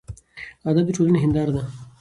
ادب د ټولنې هینداره ده.